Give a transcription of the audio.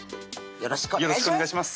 よろしくお願いします